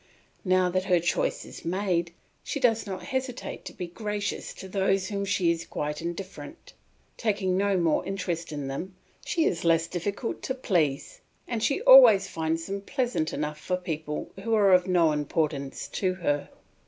Now that her choice is made, she does not hesitate to be gracious to those to whom she is quite indifferent; taking no more interest in them, she is less difficult to please, and she always finds them pleasant enough for people who are of no importance to her.